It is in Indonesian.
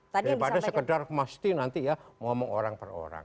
daripada sekedar mesti nanti ya ngomong orang per orang